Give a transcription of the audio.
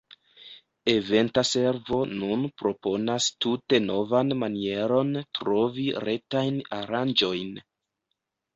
Eventa Servo nun proponas tute novan manieron trovi retajn aranĝojn.